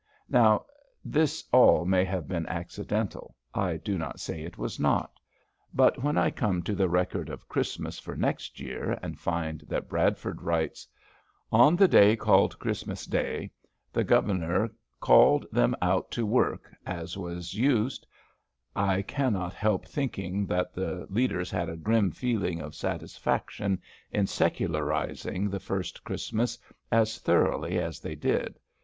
Now, this all may have been accidental. I do not say it was not. But when I come to the record of Christmas for next year and find that Bradford writes: "One ye day called Chrismas day, ye Gov'r caled them out to worke (as was used)," I cannot help thinking that the leaders had a grim feeling of satisfaction in "secularizing" the first Christmas as thoroughly as they did.